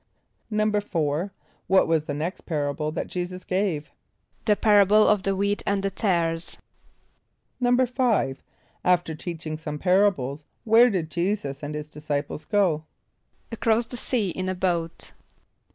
= =4.= What was the next parable that J[=e]´[s+]us gave? =The parable of the Wheat and the Tares.= =5.= After teaching some parables, where did J[=e]´[s+]us and his disciples go? =Across the sea in a boat.